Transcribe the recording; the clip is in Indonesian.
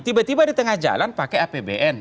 tiba tiba di tengah jalan pakai apbn